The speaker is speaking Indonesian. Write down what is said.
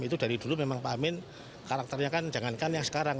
itu dari dulu memang pak amin karakternya kan jangankan yang sekarang